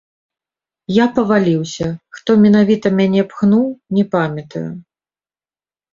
Я паваліўся, хто менавіта мяне пхнуў, не памятаю.